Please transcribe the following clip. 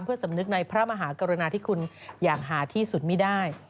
เพื่อสำนึกในพระมหากรุณาธิคุณอย่างหาที่สุดไม่ได้